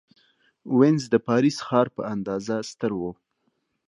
وینز د پاریس ښار په اندازه ستر و.